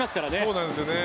そうなんですよね。